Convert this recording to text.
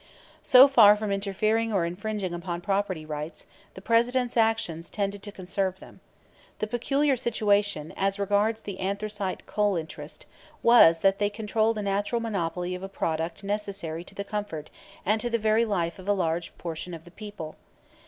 "So far from interfering or infringing upon property rights, the Presidents' action tended to conserve them. The peculiar situation, as regards the anthracite coal interest, was that they controlled a natural monopoly of a product necessary to the comfort and to the very life of a large portion of the people.